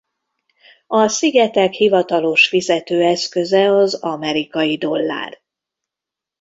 A szigetek hivatalos fizetőeszköze az amerikai dollár.